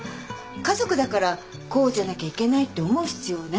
家族だからこうじゃなきゃいけないって思う必要ないよ。